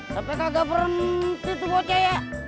sampai kagak berhenti tuh bocah ya